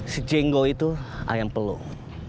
si jenggo itu ayam pelung